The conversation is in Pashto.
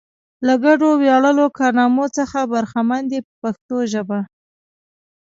له ګډو ویاړلو کارنامو څخه برخمن دي په پښتو ژبه.